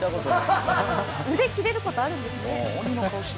腕切れることあるんですね。